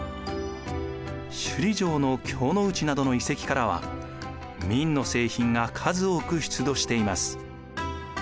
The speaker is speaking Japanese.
首里城の京の内などの遺跡からは明の製品が数多く出土しています。